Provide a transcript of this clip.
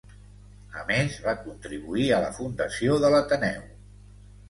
A més, va contribuir a la fundació de l'Ateneu.